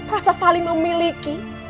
rasa saling memiliki